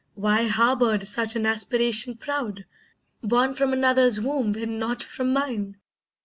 Why harboured such an aspiration proud, Born from another's womb and not from mine?